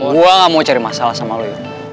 gue gak mau cari masalah sama leo